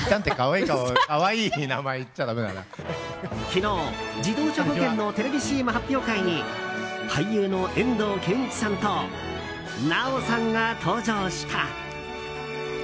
昨日、自動車保険のテレビＣＭ発表会に俳優の遠藤憲一さんと奈緒さんが登場した。